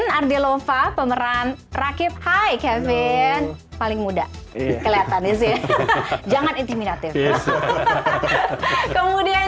dantilova pemeran rakit hai kevin paling muda kelihatan disini jangan intimidatif kemudian